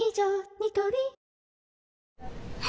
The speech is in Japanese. ニトリあ！